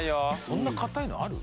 そんな硬いのある？